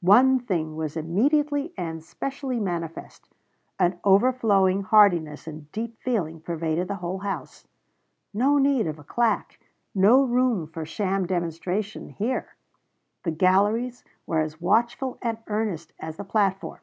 One thing was immediately and specially manifest: an overflowing heartiness and deep feeling pervaded the whole house. No need of a claque, no room for sham demonstration here! The galleries were as watchful and earnest as the platform.